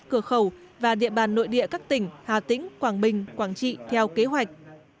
cửa khẩu và địa bàn nội địa các tỉnh hà tĩnh quảng bình quảng trị theo kế hoạch